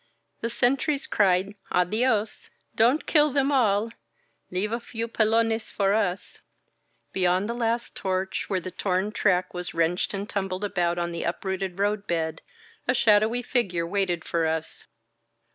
The sentries cried, Adio8! Don't kill them all ! Leave a few pelones for us !" Beyond the last torch, where the torn track was wrenched and tumbled about on the uprooted roadbed, a shadowy figure waited for us.